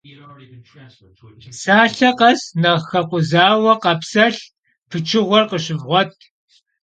Psalhe khes nexh xekhuzaue khapselh pıçığuer khışıvğuet!